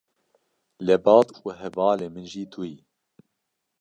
lebat û hevalê min jî tu yî?